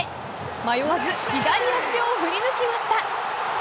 迷わず左足を振り抜きました。